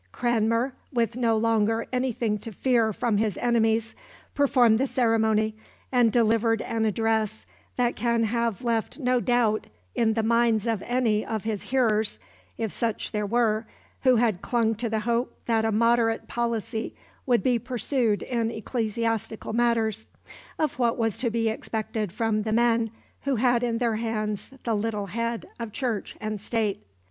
Cranmer, with no longer anything to fear from his enemies, performed the ceremony and delivered an address that can have left no doubt in the minds of any of his hearers, if such there were, who had clung to the hope that a moderate policy would be pursued in ecclesiastical matters, of what was to be expected from the men who had in their hands the little head of Church and State.